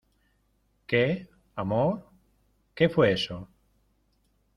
¿ Qué, amor? ¿ qué fue eso ?